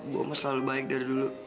bu mas selalu baik dari dulu